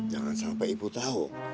jangan sampai ibu tau